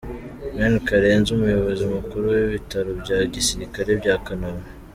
Ben Karenzi umuyobozi mukuru w’Ibitaro bya Gisirikare bya Kanombe .